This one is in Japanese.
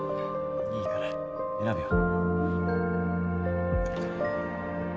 いいから選ぶよ。